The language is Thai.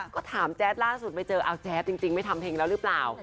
ก็ถามแจ๊ดล่าสุดไปเจอเอาแจ๊ดจริงไม่ทำเพลงแล้วหรือเปล่า